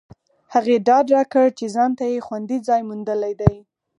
هغې ډاډ راکړ چې ځانته یې خوندي ځای موندلی دی